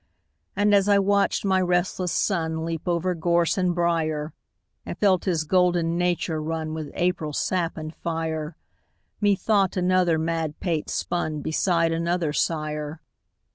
And as I watched my restless son Leap over gorse and briar, And felt his golden nature run With April sap and fire, Methought another madpate spun Beside another sire.